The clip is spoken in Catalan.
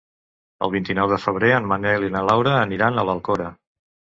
El vint-i-nou de febrer en Manel i na Laura aniran a l'Alcora.